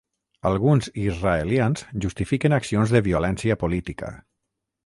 Alguns israelians justifiquen accions de violència política.